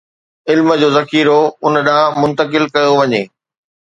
علم جو ذخيرو ان ڏانهن منتقل ڪيو وڃي